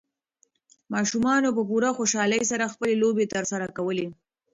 ماشومانو په پوره خوشالۍ سره خپلې لوبې ترسره کولې.